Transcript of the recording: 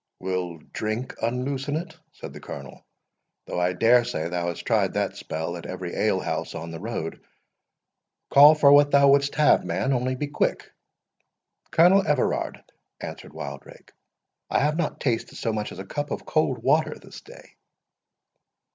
"Will drink unloosen it?" said the Colonel; "though I dare say thou hast tried that spell at every ale house on the road. Call for what thou wouldst have, man, only be quick." "Colonel Everard," answered Wildrake, "I have not tasted so much as a cup of cold water this day."